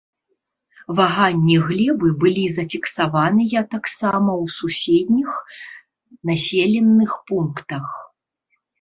Ваганні глебы былі зафіксаваныя таксама ў суседніх населеных пунктах.